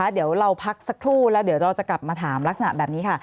เดี๋ยวเราพักสักครู่แล้วเดี๋ยวเราจะกลับมาถามลักษณะแบบนี้ค่ะ